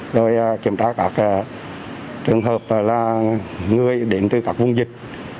rồi kiểm tra các trường hợp là người đến từ các vùng dịch